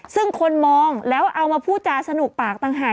ซึ่งคนมองแล้วเอามาพูดจาสนุกปากต่างหาก